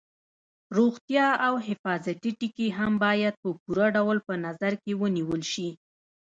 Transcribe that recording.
روغتیا او حفاظتي ټکي هم باید په پوره ډول په نظر کې ونیول شي.